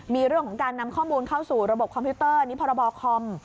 มีเรื่องของการนำข้อมูลเข้าสู่ระบบคอมพิวเตอร์อันนี้พรบคอม